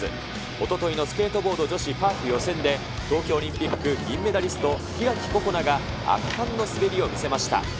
おとといのスケートボード女子パーク予選で、東京オリンピック銀メダリスト、開心那が圧巻の滑りを見せました。